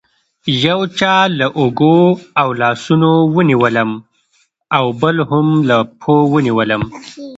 یو چا له اوږو او لاسونو ونیولم او بل هم له پښو ونیولم.